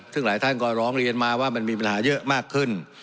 ซึ่งหลายท่านก็ร้องเรียนมาว่ามันมีปัญหาเยอะมากขึ้น